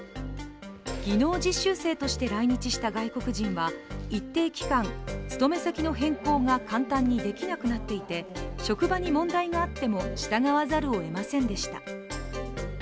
技能実習生として来日した外国人は一定期間、勤め先の変更が簡単にできなくなっていて職場に問題があっても従わざるをえませんでした。